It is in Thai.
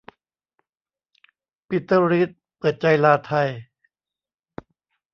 ปีเตอร์ รีดเปิดใจลาไทย